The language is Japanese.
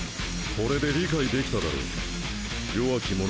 これで理解できただろう弱き